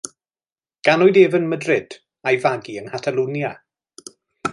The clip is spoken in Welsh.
Ganwyd ef ym Madrid a'i fagu yng Nghatalwnia.